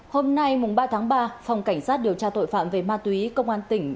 hôm nay ba tháng ba phòng cảnh sát điều tra tội phạm về ma túy công an tỉnh